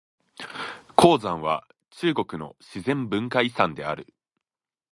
黄山は中国の自然文化遺産である。